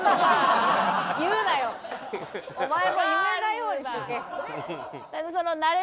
お前も言わないようにしとけ。